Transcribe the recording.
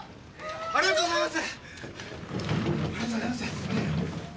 ありがとうございます！